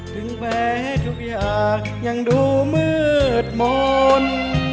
ถึงแม้ทุกอย่างยังดูมืดมนต์